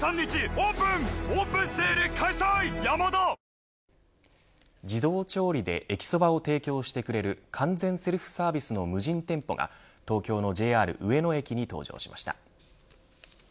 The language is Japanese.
「トリスハイボール」自動調理で駅そばを提供してくれる完全セルフサービスの無人店舗が東京のＪＲ上野駅に登場しました。